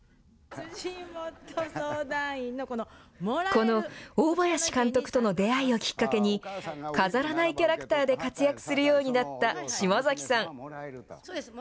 この大林監督との出会いをきっかけに、飾らないキャラクターで活躍するようになった島崎さん。